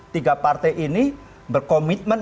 tiga partai ini berkomitmen